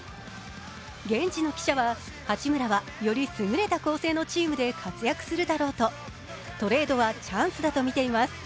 現地の記者は、八村はより優れた構成のチームで活躍するだろうと、トレードはチャンスだと見ています。